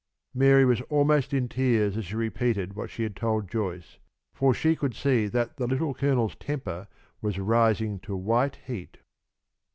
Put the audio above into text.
Mary was almost in tears as she repeated what she had told Joyce, for she could see that the Little Colonel's temper was rising to white heat.